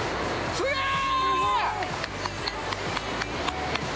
すげえ！